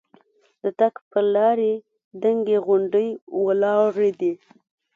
د تګ پر لارې دنګې غونډۍ ولاړې دي.